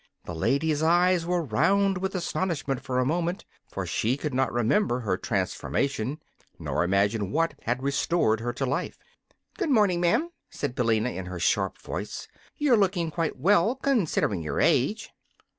The lady's eyes were round with astonishment for a moment, for she could not remember her transformation, nor imagine what had restored her to life. "Good morning, ma'am," said Billina, in her sharp voice. "You're looking quite well, considering your age."